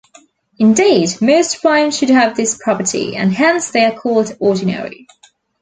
Indeed, most primes should have this property, and hence they are called ordinary.